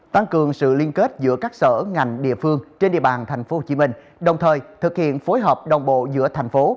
tăng cường sự liên kết giữa các sở ngành địa phương trên địa bàn tp hcm đồng thời thực hiện phối hợp đồng bộ giữa thành phố